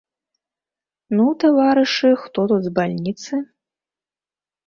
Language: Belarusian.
Ну, таварышы, хто тут з бальніцы?